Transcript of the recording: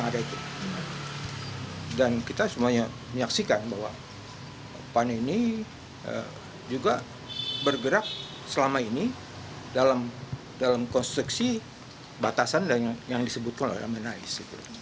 dan juga bergerak selama ini dalam konstruksi batasan yang disebutkan oleh amin rais